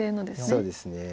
そうですね。